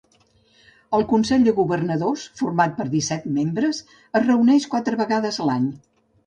El Consell de Governadors, format per disset membres, es reuneix quatre vegades a l'any.